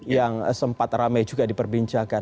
yang sempat rame juga diperbincangkan